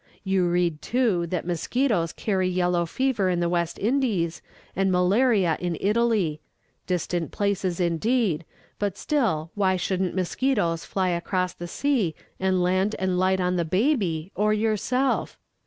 You read, too, that mosquitoes carry yellow fever in the West Indies, and malaria in Italy distant places, indeed; but still, why shouldn't mosquitoes fly across the sea and land and light on the baby, or yourself?